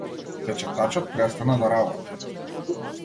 Печатачот престана да работи.